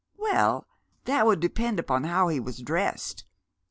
" Well, that would depend upon how he was dressed.